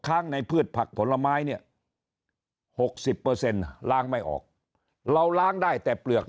ค้างในพืชผักผลไม้เนี่ย๖๐ล้างไม่ออกเราล้างได้แต่เปลือก